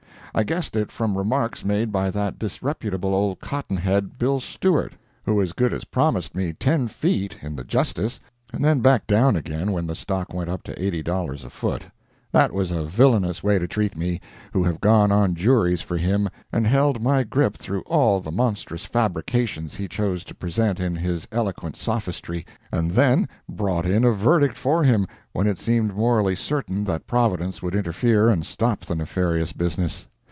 I guessed it from remarks made by that disreputable old cottonhead, Bill Stewart, who as good as promised me ten feet in the "Justis," and then backed down again when the stock went up to $80 a foot. That was a villainous way to treat me, who have gone on juries for him, and held my grip through all the monstrous fabrications he chose to present in his eloquent sophistry, and then brought in a verdict for him, when it seemed morally certain that Providence would interfere and stop the nefarious business.